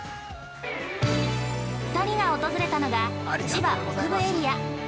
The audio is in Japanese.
２人が訪れたのが千葉北部エリア。